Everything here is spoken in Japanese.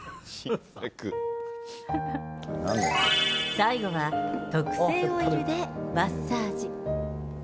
最後は、特製オイルでマッサージ。